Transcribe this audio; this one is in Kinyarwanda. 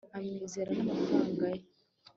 amwizera n'amafaranga ye